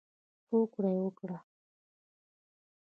هوکړه یې وکړه.